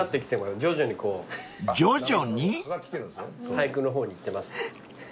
俳句の方にいってます。